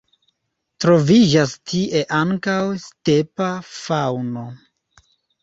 Troviĝas tie ankaŭ stepa faŭno.